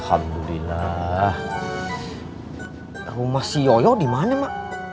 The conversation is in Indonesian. hamdulillah rumah si yoyo di mana